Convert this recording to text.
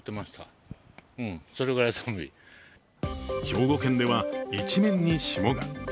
兵庫県では一面に霜が。